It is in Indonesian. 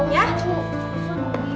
ibu harus menghukum kalian